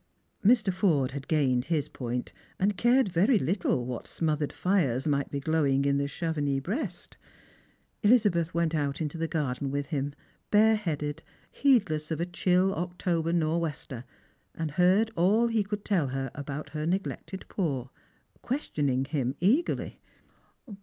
Mr. Forde had gained his point, and cared very little what smothered fires might be glowing in the Chevenix breast. Elizabeth went out into the garden with him, bare headed, heedless of a chill October nor' wester, and heard all he could teU her about her neglected poor, questioning him eagerly.